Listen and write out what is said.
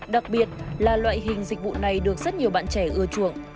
đặc biệt là loại hình dịch vụ này được rất nhiều bạn trẻ ưa chuộng